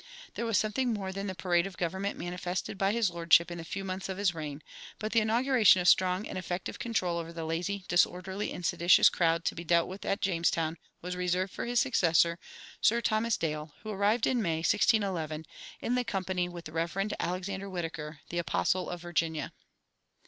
There was something more than the parade of government manifested by his lordship in the few months of his reign; but the inauguration of strong and effective control over the lazy, disorderly, and seditious crowd to be dealt with at Jamestown was reserved for his successor, Sir Thomas Dale, who arrived in May, 1611, in company with the Rev. Alexander Whitaker, the "apostle of Virginia."